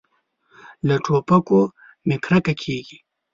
له ټوپکو مې کرکه کېږي.